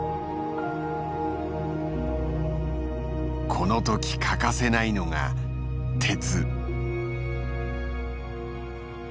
この時欠かせないのが「鉄」。